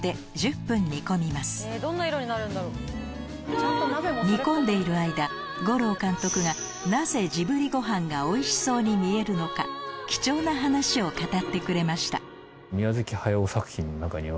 そこに煮込んでいる間吾朗監督がなぜジブリご飯がおいしそうに見えるのか貴重な話を語ってくれましたの中には。